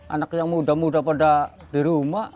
anak muda muda di rumah